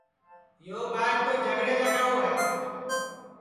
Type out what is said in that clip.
یو ٻائیر تو جھگڑے لگاؤ ہے